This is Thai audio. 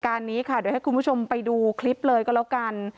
การนี้ค่ะเดี๋ยวให้คุณผู้ชมไปดูคลิปเลยก็แล้วกัน